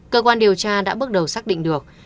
cơ quan điều tra đã bước đầu xác định được